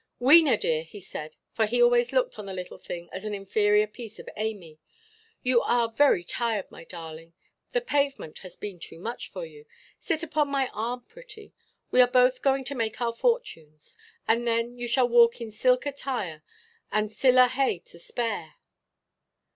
"Wena, dear," he said, for he always looked on the little thing as an inferior piece of Amy, "you are very tired, my darling; the pavement has been too much for you. Sit upon my arm, pretty. We are both going to make our fortunes. And then you 'shall walk in silk attire, and siller hae to spare.